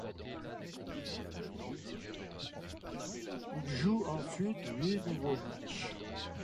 Il joue ensuite huit nouveaux matchs.